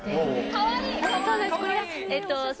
かわいい！